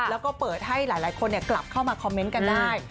แล้วก็เปิดให้หลายคนกลับเข้ามาคอมเมนต์กันได้